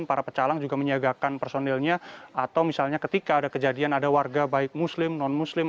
para pecalang juga menyiagakan personilnya atau misalnya ketika ada kejadian ada warga baik muslim non muslim